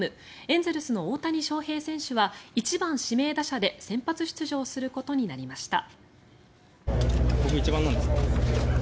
エンゼルスの大谷翔平選手は１番指名打者で先発出場することになりました。